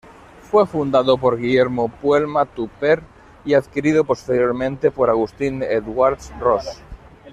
Fue fundado por Guillermo Puelma Tupper y adquirido posteriormente por Agustín Edwards Ross.